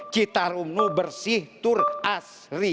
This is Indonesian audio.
citarum itu bersih itu asli